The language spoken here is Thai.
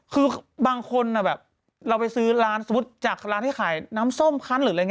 คือบางคนเราไปซื้อร้านสมมุติจากร้านที่ขายน้ำส้มคัน